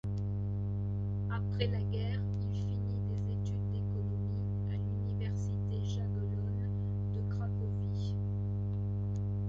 Après la guerre, il finit des études d'économie à l'université jagellonne de Cracovie.